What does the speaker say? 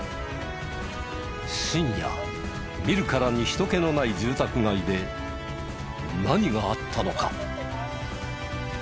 深夜見るからに人けのない住宅街で何があったのか？